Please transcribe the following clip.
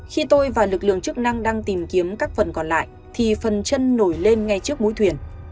khi vợ chồng anh đạt và lực lượng chức năng đang tìm kiếm các phần còn lại thì phần chân nổi lên ngay trước mũi thuyền